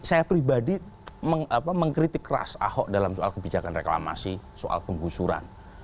saya pribadi mengkritik keras ahok dalam soal kebijakan reklamasi soal penggusuran